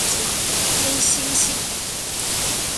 黑猩猩。